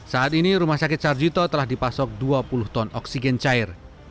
saat ini rumah sakit sarjito telah dipasok dua puluh ton oksigen cair